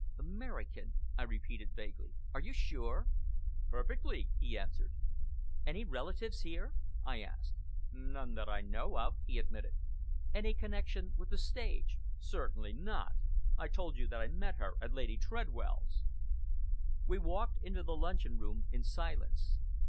"American," I repeated vaguely, "are you sure?" "Perfectly!" he answered. "Any relatives here?" I asked. "None that I know of," he admitted. "Any connection with the stage?" "Certainly not! I told you that I met her at Lady Tredwell's." We walked into the luncheon room in silence.